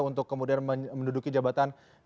untuk kemudian menduduki jabatan